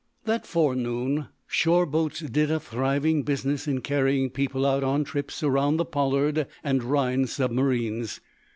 That forenoon shore boats did a thriving business in carrying people out on trips around the Pollard and Rhinds submarines.